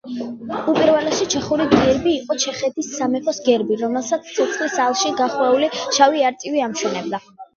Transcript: უპირველესი ჩეხური გერბი იყო ჩეხეთის სამეფოს გერბი, რომელსაც ცეცხლის ალში გახვეული შავი არწივი ამშვენებდა.